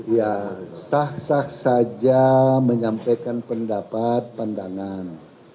ya sah sah saja menyampaikan pendapat pandangan